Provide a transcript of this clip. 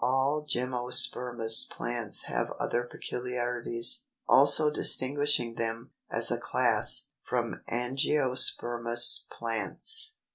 All GYMNOSPERMOUS plants have other peculiarities, also distinguishing them, as a class, from ANGIOSPERMOUS plants.